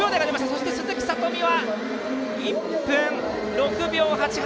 そして、鈴木聡美は１分６秒８８。